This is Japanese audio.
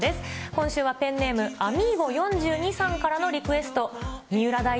今週はペンネーム、アミーゴ４２さんからのリクエスト。